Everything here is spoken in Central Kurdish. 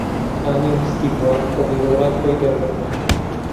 خانی ویستی بووە کە بیرو ڕای خۆی دەرببڕێت